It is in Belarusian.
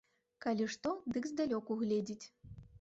Калі што, дык здалёк угледзіць.